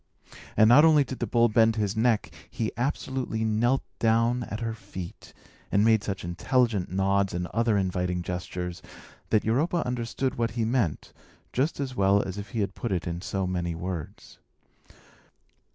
And not only did the bull bend his neck, he absolutely knelt down at her feet, and made such intelligent nods, and other inviting gestures, that Europa understood what he meant just as well as if he had put it in so many words.